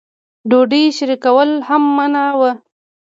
ډوډۍ شریکول هم منع وو.